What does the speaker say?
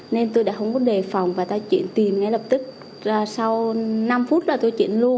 nên tôi đã không có đề phòng và ta chuyển tìm ngay lập tức là sau năm phút là tôi chuyển luôn